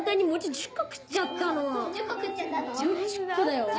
・１０個だよ。